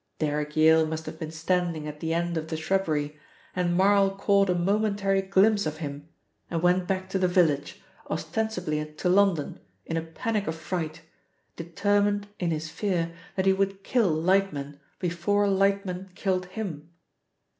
"Derrick Yale must have been standing at the end of the shrubbery, and Marl caught a momentary glimpse of him and went back to the village, ostensibly to London, in a panic of fright, determined, in his fear, that he would kill Lightman before Lightman killed him.